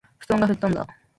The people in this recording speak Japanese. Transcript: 布団が吹っ飛んだ